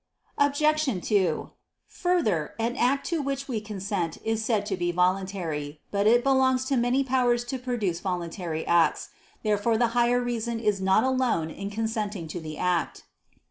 Obj. 2: Further, an act to which we consent is said to be voluntary. But it belongs to many powers to produce voluntary acts. Therefore the higher reason is not alone in consenting to the act.